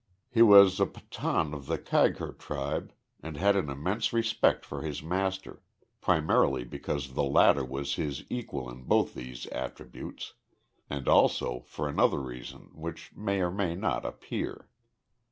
He was a Pathan of the Kakhar tribe and had an immense respect for his master, primarily because the latter was his equal in both these attributes, and also for another reason which may or may not appear.